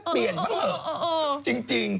เปลี่ยนบ้างเถอะจริง